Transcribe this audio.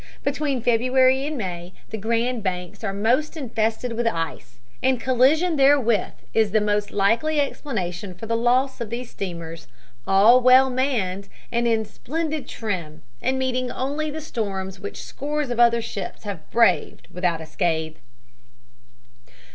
Between February and May, the Grand Banks are most infested with ice, and collision therewith is' the most likely explanation of the loss of these steamers, all well manned and in splendid trim, and meeting only the storms which scores of other ships have braved without a scathe.